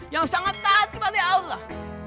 yang sangat taat kepada allah